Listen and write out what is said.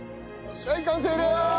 はい完成です！